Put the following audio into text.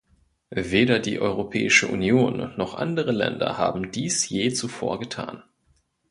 Weder die Europäische Union noch andere Länder haben dies je zuvor getan.